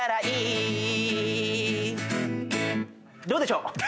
どうでしょう？